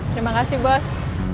terima kasih bos